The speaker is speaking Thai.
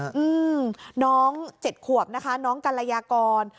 อืมน้องเจ็ดขวบนะคะน้องกัลยากร